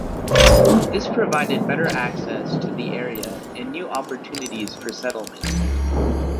This provided better access to the area and new opportunities for settlement.